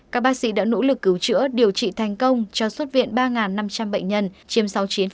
các bác sĩ đã nỗ lực cứu chữa điều trị thành công cho xuất viện ba năm trăm linh bệnh nhân chiếm sáu mươi chín